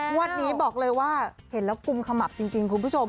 งวดนี้บอกเลยว่าเห็นแล้วกุมขมับจริงคุณผู้ชม